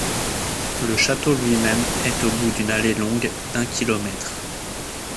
Le château lui-même est au bout d'une allée longue d'un kilomètre.